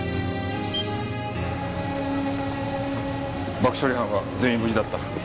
爆処理班は全員無事だった。